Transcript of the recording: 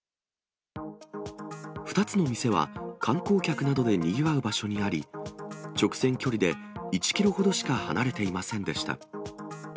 ２つの店は、観光客などでにぎわう場所にあり、直線距離で１キロほどしか離れていませんでした。